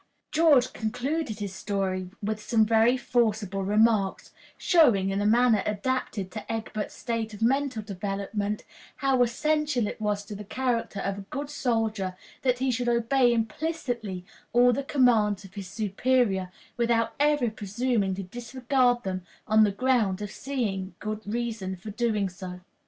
George concluded his story with some very forcible remarks, showing, in a manner adapted to Egbert's state of mental development, how essential it was to the character of a good soldier that he should obey implicitly all the commands of his superior, without ever presuming to disregard them on the ground of his seeing good reason for doing so.